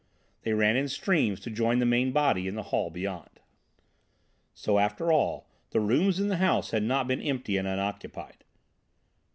They ran in streams to join the main body in the hall beyond. So, after all, the rooms in the house had not been empty and unoccupied.